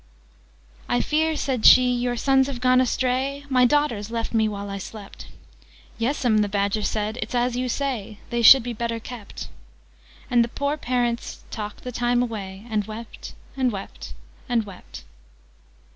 "'I fear,' said she, 'your sons have gone astray? My daughters left me while I slept.' 'Yes 'm,' the Badger said: 'it's as you say.' 'They should be better kept.' Thus the poor parents talked the time away, And wept, and wept, and wept."